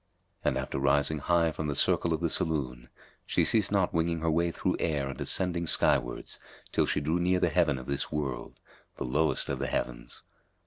And after rising high from the circle of the saloon she ceased not winging her way through air and ascending skywards till she drew near the heaven of this world, the lowest of the heavens.